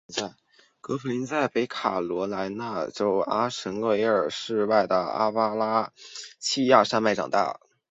葛福临在北卡罗来纳州阿什维尔市外的阿巴拉契亚山脉长大。